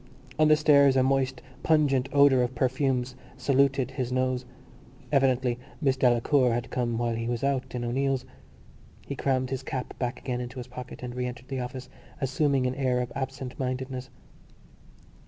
On the stairs a moist pungent odour of perfumes saluted his nose: evidently Miss Delacour had come while he was out in O'Neill's. He crammed his cap back again into his pocket and re entered the office, assuming an air of absent mindedness.